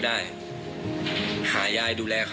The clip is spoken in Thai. อันดับ๖๓๕จัดใช้วิจิตร